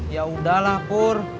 yapudah lah pur